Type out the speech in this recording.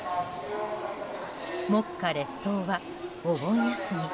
目下、列島はお盆休み。